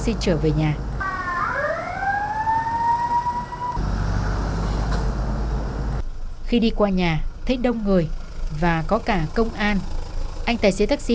sim điện thoại và chiếc